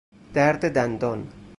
درد دندان